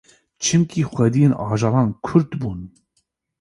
Çimkî xwediyên ajalan Kurd bûn